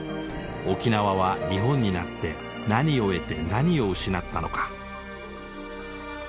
沖縄は日本になって何を得て何を失ったのか。